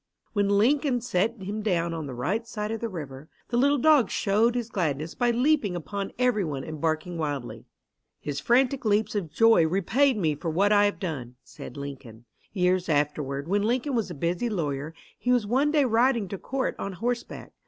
When Lincoln set him down on the right side of the river, the little dog showed his gladness by leaping upon everyone and barking wildly. "His frantic leaps of joy repaid me for what I had done," said Lincoln. Years afterward, when Lincoln was a busy lawyer, he was one day riding to court on horseback.